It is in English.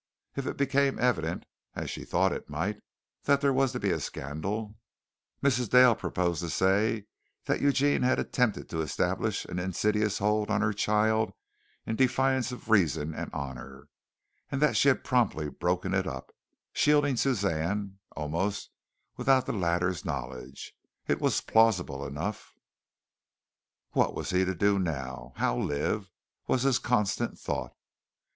If it became evident, as she thought it might, that there was to be a scandal, Mrs. Dale proposed to say that Eugene had attempted to establish an insidious hold on her child in defiance of reason and honor, and that she had promptly broken it up, shielding Suzanne, almost without the latter's knowledge. It was plausible enough. What was he to do now? how live? was his constant thought.